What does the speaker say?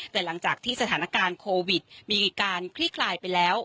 แต่หลังจากที่สถานการณ์โควิดมีการคลี่คลายไปแล้ว